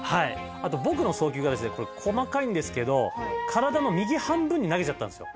「あと僕の送球がですねこれ細かいんですけど体の右半分に投げちゃったんですよ」